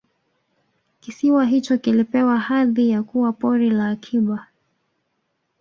kisiwa hicho kilipewa hadhi ya kuwa Pori la Akiba